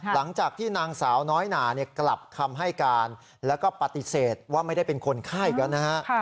หลังจากที่นางสาวน้อยหนากลับคำให้การแล้วก็ปฏิเสธว่าไม่ได้เป็นคนฆ่าอีกแล้วนะฮะ